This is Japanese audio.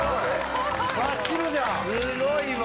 すごいわ！